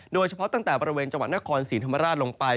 โดยเฉพาะตั้งแต่บริเวณจังหวัดนครศรีธรรมราชลงไป